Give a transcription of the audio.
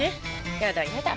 やだやだ。